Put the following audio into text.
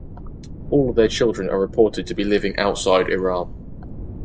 All their children are reported to be living outside Iran.